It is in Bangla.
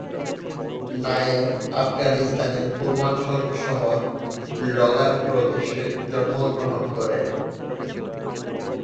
নায়েব আফগানিস্তানের পূর্বাঞ্চল শহর লগার প্রদেশে জন্মগ্রহণ করেন।